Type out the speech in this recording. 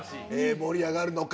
盛り上がるのか？